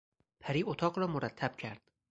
پری اتاق را مرتب کرد.